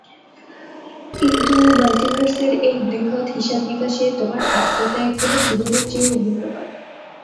কিন্তু মাল্টিভার্সের এই বৃহৎ হিসাব-নিকাশে, তোমার আত্মত্যাগ তোমার জীবনের চেয়েও মূল্যবান।